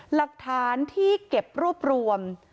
หลักฐานที่เก็บรวบรวม